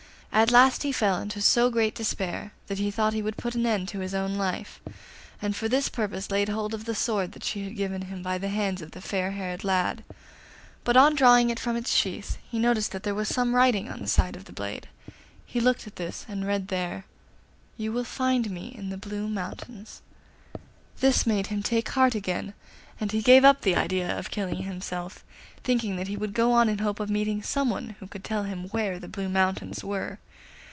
At last he fell into so great despair that he thought he would put an end to his own life, and for this purpose laid hold of the sword that she had given him by the hands of the fair haired lad; but on drawing it from its sheath he noticed that there was some writing on one side of the blade. He looked at this, and read there, 'You will find me in the Blue Mountains.' This made him take heart again, and he gave up the idea of killing himself, thinking that he would go on in hope of meeting some one who could tell him where the Blue Mountains were.